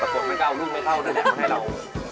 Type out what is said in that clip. แต่ฝนมาไม่เข้าลูกไม่เข้านานมาให้เรา